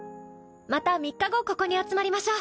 また３日後ここに集まりましょう。